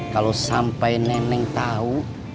kalau sampai neneng tahu